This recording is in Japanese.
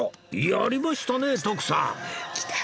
やりましたね徳さんきた！